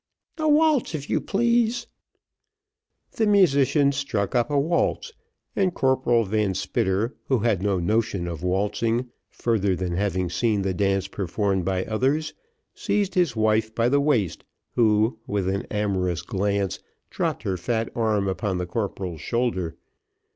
"A waltz, if you please." The musicians struck up a waltz, and Corporal Van Spitter, who had no notion of waltzing, further than having seen the dance performed by others, seized his wife by the waist, who, with an amorous glance, dropped her fat arm upon the corporal's shoulder.